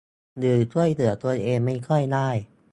หรือช่วยเหลือตัวเองไม่ค่อยได้